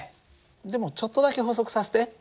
でもちょっとだけ補足させて。